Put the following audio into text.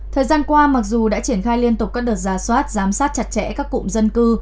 thời gian qua mặc dù đã triển khai liên tục các đợt giả soát giám sát chặt chẽ các cụm dân cư